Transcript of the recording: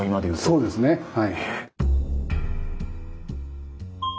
そうですねはい。